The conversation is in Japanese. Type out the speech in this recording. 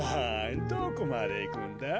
どこまでいくんだ？